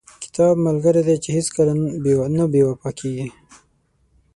• کتاب ملګری دی چې هیڅکله نه بې وفا کېږي.